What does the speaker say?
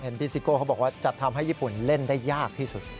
พี่ซิโก้เขาบอกว่าจะทำให้ญี่ปุ่นเล่นได้ยากที่สุด